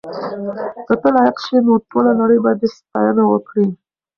که ته لایق شې نو ټوله نړۍ به دې ستاینه وکړي.